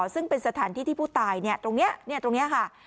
ซึ่งเป็นสถานที่ที่ผู้ตายเนี่ยตรงเนี้ยเนี่ยตรงเนี้ยค่ะ